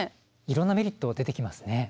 いろんなメリット出てきますね。